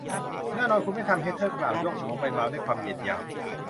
แน่นอน คุณไม่ทำ แฮทเทอร์ กล่าว โยกหัวไปมาด้วยความเหยียดหยาม